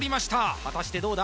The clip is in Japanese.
果たしてどうだ？